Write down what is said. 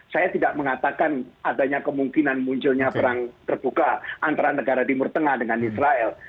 saya tidak mengatakan adanya kemungkinan munculnya perang terbuka antara negara timur tengah dengan israel